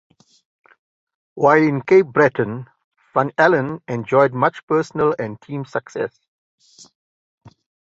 While in Cape Breton, Van Allen enjoyed much personal and team success.